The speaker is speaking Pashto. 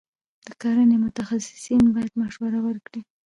د کرنې متخصصین باید مشورې ورکړي.